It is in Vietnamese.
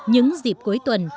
những dịp cuối tuần